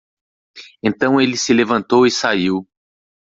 Então ele se levantou e saiu.